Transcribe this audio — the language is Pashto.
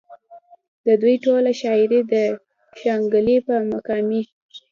د دوي ټوله شاعري د شانګلې پۀ مقامي